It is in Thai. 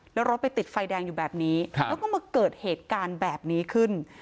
แล้วรถไปติดไฟแดงอยู่แบบนี้แล้วก็มาเกิดเหตุการณ์แบบนี้ขึ้น